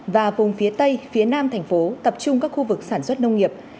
và vùng phía tây phía nam thành phố tập trung các khu vực sản xuất nông nghiệp